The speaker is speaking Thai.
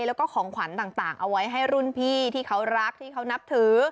แล้วก็ของขวัญต่างเอาไว้ให้รุ่นพี่ที่เขารักที่เขานับถือ